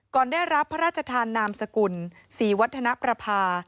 ได้รับพระราชทานนามสกุลศรีวัฒนประภา